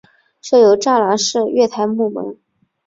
设有栅栏式月台幕门。